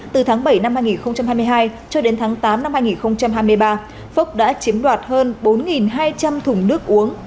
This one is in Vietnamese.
từ tháng bảy năm hai nghìn hai mươi hai cho đến tháng tám năm hai nghìn hai mươi ba phúc đã chiếm đoạt hơn bốn hai trăm linh thùng nước uống